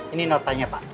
ini notanya pak